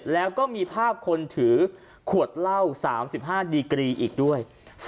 แล้วก็มีภาพคนถือขวดเหล้า๓๕ดีกรีอีกด้วย